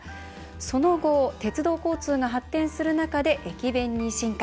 その後、鉄道交通が発展する中で駅弁に進化。